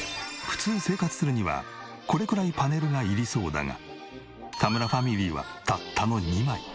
普通生活するにはこれくらいパネルがいりそうだが田村ファミリーはたったの２枚。